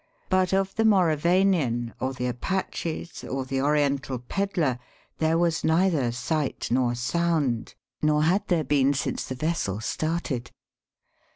But of the Mauravanian or the Apaches or of the Oriental pedler, there was neither sight nor sound, nor had there been since the vessel started.